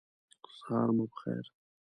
سهار مو په خیر !